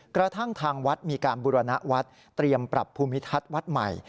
กระทั่งทางวัดมีการบุรณวัฒน์เตรียมปรับภูมิทัศน์วัดใหม่